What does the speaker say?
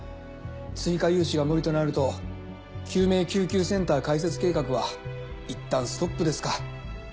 追加融資が無理となると救命救急センター開設計画はいったんストップですか。